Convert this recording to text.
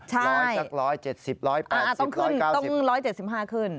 ใช่ต้องขึ้นต้อง๑๗๕ขึ้น